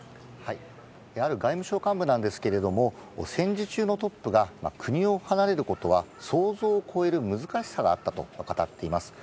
ある外務省幹部なんですけれども、戦時中のトップが国を離れることは、想像を超える難しさがあったと語っています。